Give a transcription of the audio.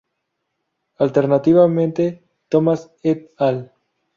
Alternativamente, Tomás et al.